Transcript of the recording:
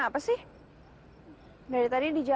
aku masih tanpa jika kamu tidur disini